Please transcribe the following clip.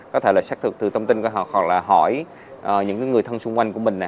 có thể là xác thực từ thông tin hoặc là hỏi những người thân xung quanh của mình